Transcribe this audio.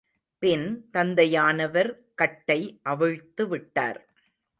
பின் தந்தையானவர் கட்டை அவிழ்த்துவிட்டார்.